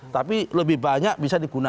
tapi lebih banyak bisa digunakan